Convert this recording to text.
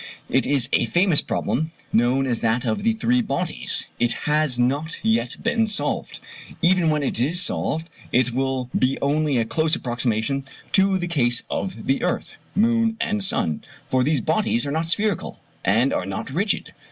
It is a famous problem, known as that of "the three bodies," but it has not yet been solved. Even when it is solved it will be only a close approximation to the case of earth, moon, and sun, for these bodies are not spherical, and are not rigid.